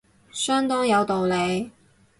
相當有道理